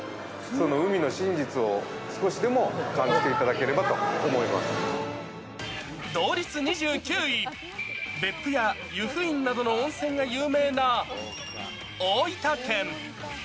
その海の真実を、少しでも感じて同率２９位、別府や湯布院などの温泉が有名な大分県。